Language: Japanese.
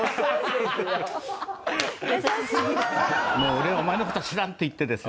「もう俺お前の事知らん！」って言ってですね